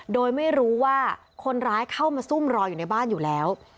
โดยไม่รู้ว่าคนร้ายเข้ามาซุ่มรออยู่ในบ้านอยู่แล้ว